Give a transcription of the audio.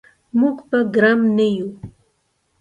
موږ به ګرم نه یو.